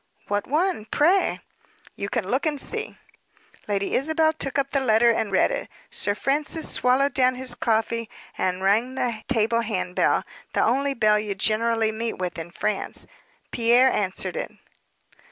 "What one, pray?" "You can look and see." Lady Isabel took up the letter and read it. Sir Francis swallowed down his coffee, and rang the table hand bell the only bell you generally meet with in France. Pierre answered it.